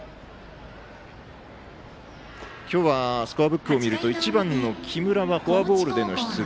今日はスコアブックを見ますと１番、木村はフォアボールで出塁。